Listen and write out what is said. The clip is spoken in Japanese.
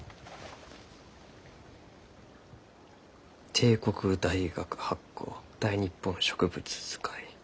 帝国大学発行「大日本植物図解」。